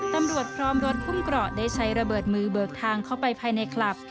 ตำรวจพร้อมรถพุ่มเกราะได้ใช้ระเบิดมือเบิกทางเข้าไปภายในคลับ